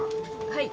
はい。